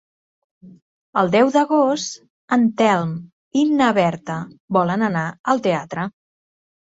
El deu d'agost en Telm i na Berta volen anar al teatre.